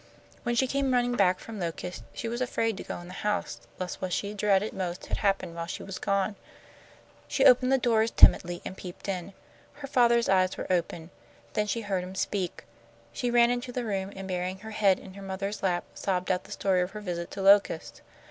When she came running back from Locust, she was afraid to go in the house, lest what she dreaded most had happened while she was gone. She opened the door timidly and peeped in. Her father's eyes were open. Then she heard him speak. She ran into the room, and, burying her head in her mother's lap, sobbed out the story of her visit to Locust.